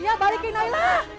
ya balikin nailah